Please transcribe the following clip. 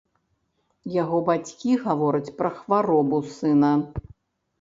Яго бацькі гавораць пра хваробу сына.